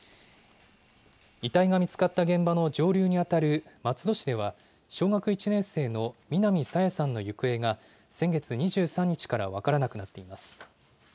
遺体が見つかった現場の上流に当たる松戸市では、小学１年生の南朝芽さんの行方が、先月２３日から分からなくなっています。